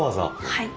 はい。